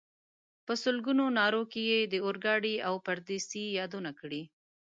په سلګونو نارو کې یې د اورګاډي او پردیسۍ یادونه کړې.